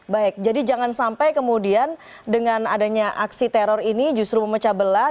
baik jadi jangan sampai kemudian dengan adanya aksi teror ini justru memecah belah